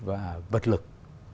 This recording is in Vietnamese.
và vật lực